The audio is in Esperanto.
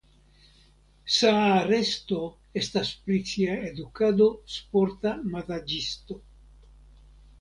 Saaresto estas pri sia edukado sporta mazaĝisto.